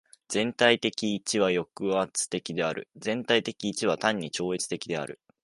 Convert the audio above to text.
全体的一は抑圧的である。全体的一は単に超越的である。